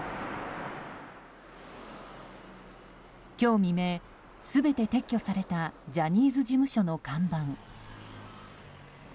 今日未明、全て撤去されたジャニーズ事務所の看板。